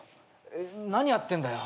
何やってんだよ。